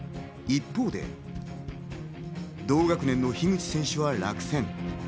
一方で、同学年の樋口選手は落選。